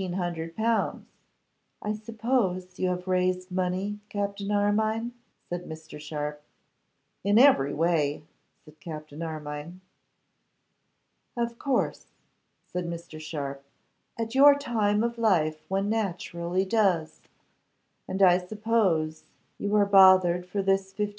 'I suppose you have raised money, Captain Armine?' said Mr. Sharpe. 'In every way,' said Captain Armine. 'Of course,' said Mr. Sharpe, 'at your time of life one naturally does. And I suppose you are bothered for this 1,500L.